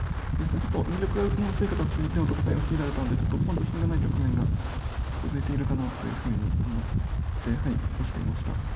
ちょっと自玉が薄い形での戦いを強いられたのでちょっと自信がない局面が続いているかなというふうに思って指していました。